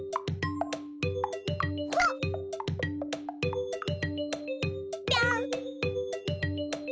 ほっぴょん。